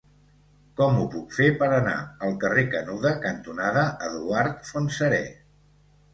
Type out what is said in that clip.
Com ho puc fer per anar al carrer Canuda cantonada Eduard Fontserè?